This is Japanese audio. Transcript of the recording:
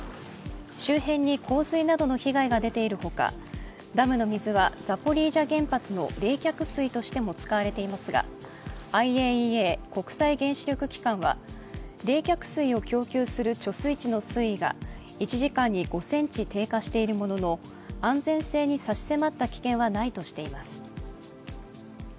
周辺に洪水などの被害が出ているほかダムの水はザポリージャ原発の冷却水としても使われていますがＩＡＥＡ＝国際原子力機関は冷却水を供給する貯水池の水位が１時間に５ｃｍ低下しているものの安全性に差し迫った危険はないとしています。